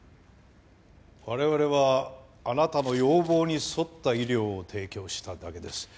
我々はあなたの要望に沿った医療を提供しただけです。